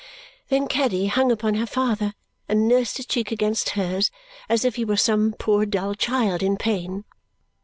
Then Caddy hung upon her father and nursed his cheek against hers as if he were some poor dull child in pain.